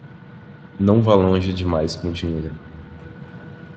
Não vá longe demais com dinheiro